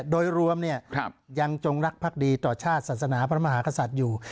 โดยรวมยังจงรักภักดีต่อชาติศาสนาพระมหากษัตริย์อยู่